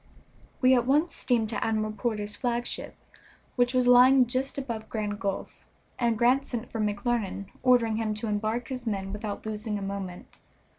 We at once steamed to Admiral Porter's flagship, which was lying just above Grand Gulf, and Grant sent for McClernand, ordering him to embark his men without losing a moment.